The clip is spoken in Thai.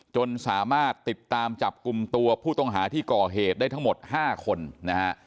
จนสามารถติดตามจับกลุ่มตัวผู้ต้องหาที่ก่อเหตุได้ทั้งหมด๕คนนะฮะ